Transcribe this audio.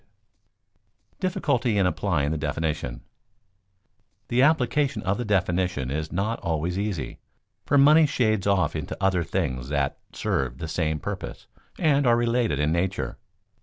[Sidenote: Difficulty in applying the definition] The application of the definition is not always easy, for money shades off into other things that serve the same purpose and are related in nature.